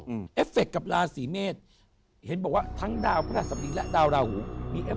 เป็นการแฟลกกับราศีเมฆเห็นผมว่าทั้งดาวพฤษภดีและดาวราหูมีการ